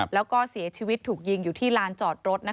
แล้วก็เสียชีวิตถูกยิงอยู่ที่ลานจอดรถ